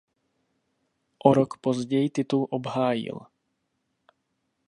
O rok později titul obhájil.